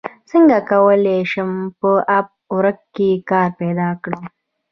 څنګه کولی شم په اپ ورک کې کار پیدا کړم